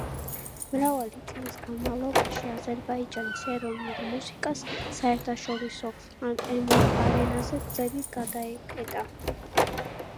მრავალი წლის განმავლობაში, აზერბაიჯანის ეროვნულ მუსიკას საერთაშორისო არენაზე გზები გადაეკეტა.